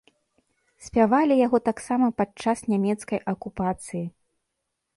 Спявалі яго таксама падчас нямецкай акупацыі.